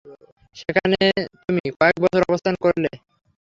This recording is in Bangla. সেখানে তুমি কয়েক বছর অবস্থান করলে।